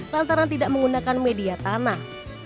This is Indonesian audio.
lantaran tidak menggunakan media tanah